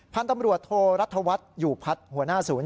พันธุ์ตำรวจโทรรัฐวัฒน์อยู่พัฒน์หัวหน้าศูนย์